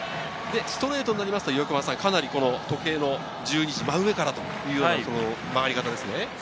ストレートになると、かなり時計の１２時、真上からという曲がり方ですね。